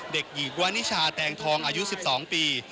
เด็กหญิงวานิชาแตงทองอายุ๑๒ปี